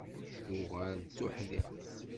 Tuɣal d tuḥdiqt.